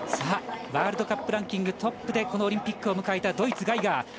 ワールドカップランキングトップでこのオリンピックを迎えたドイツのガイガー。